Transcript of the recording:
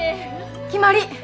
決まり！